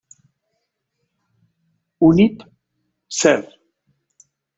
Univ., Ser.